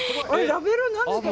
ラベル、何ですか？